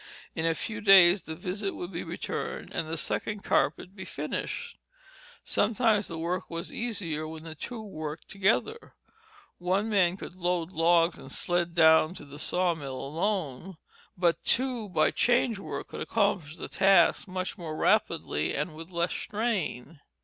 In a few days the visit would be returned, and the second carpet be finished. Sometimes the work was easier when two worked together. One man could load logs and sled them down to the sawmill alone, but two by "change work" could accomplish the task much more rapidly and with less strain.